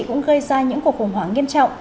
cũng gây ra những cuộc khủng hoảng nghiêm trọng